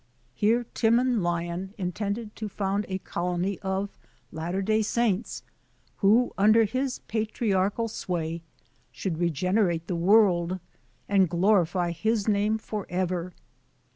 Here Timon Lion intended to found a colony of 1 T Latter Day Saints, who, under his patriarchal . I sway, should regenerate the world and glorify liis I name for ever.